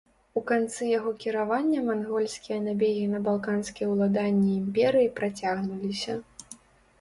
У канцы яго кіравання мангольскія набегі на балканскія ўладанні імперыі працягнуліся.